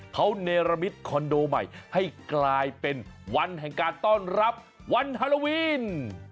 เขาเนรมิตคอนโดใหม่ให้กลายเป็นวันแห่งการต้อนรับวันฮาโลวิน